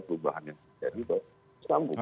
perubahan yang kita lakukan